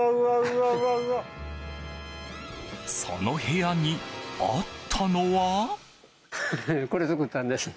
その部屋にあったのは。